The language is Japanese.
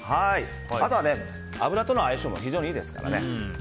あとは、油との相性も非常にいいですからね。